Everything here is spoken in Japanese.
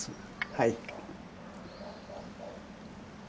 はい。